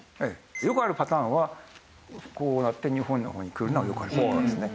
よくあるパターンはこうやって日本の方に来るのはよくあるパターンですね